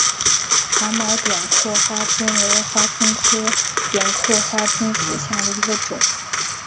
长毛点刻花蝽为花蝽科点刻花椿属下的一个种。